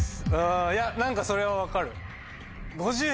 うんいや何かそれは分かる。